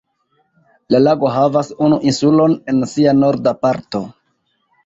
La lago havas unu insulon en sia norda parto.